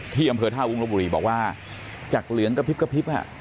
ที่อำเภอท่าวุ้งลบบุรีบอกว่าจากเหลืองกระพริบกระพริบ